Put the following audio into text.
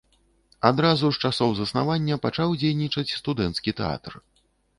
Адразу з часоў заснавання пачаў дзейнічаць студэнцкі тэатр.